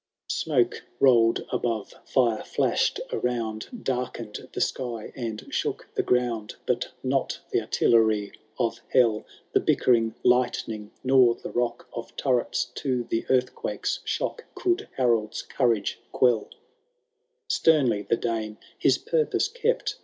XVI. Smoke rollM above, fire flashed around. Darkened the sky and shook the ground ; But not the artillery of hell. The bickering lightning, nor the rock Of turrets to the earthquake's shock, Could Harold's courage quelL Sternly the Dane his^ purpose kept.